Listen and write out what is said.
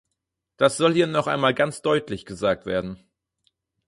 Das soll hier noch einmal ganz deutlich gesagt werden.